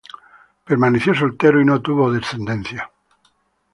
Permaneció soltero, y no tuvo descendencia.